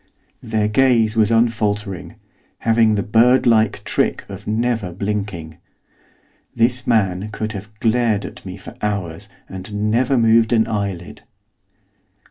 Their gaze was unfaltering, having the bird like trick of never blinking; this man could have glared at me for hours and never moved an eyelid.